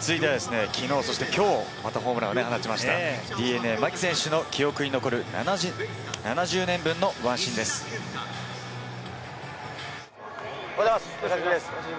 続いては、きのう、きょう、ホームランを放ちましたＤｅＮＡ・牧選手の記憶に残る７０年分の１シーンです。おはようございます、お久しぶりです。